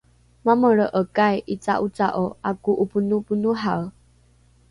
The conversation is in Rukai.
mamelre’ekai ’ica’oca’o ’ako’oponoponohae?